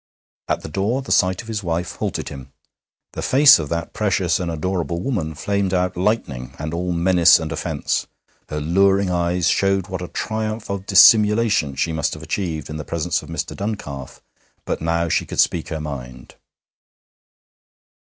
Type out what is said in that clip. At the door the sight of his wife halted him. The face of that precious and adorable woman flamed out lightning and all menace and offence. Her louring eyes showed what a triumph of dissimulation she must have achieved in the presence of Mr. Duncalf, but now she could speak her mind.